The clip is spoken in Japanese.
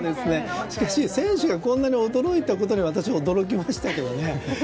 しかし、選手がこんなに驚いたことに私は驚きましたけどね。